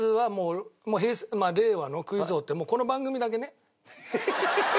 まあ「令和のクイズ王」ってこの番組だけね。